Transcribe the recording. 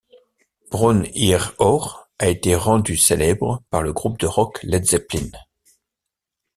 Bron-Yr-Aur a été rendue célèbre par le groupe de rock Led Zeppelin.